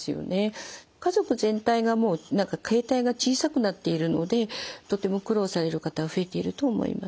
家族全体がもう形態が小さくなっているのでとても苦労される方は増えていると思います。